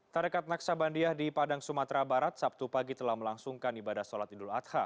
tarekat naksabandiah di padang sumatera barat sabtu pagi telah melangsungkan ibadah sholat idul adha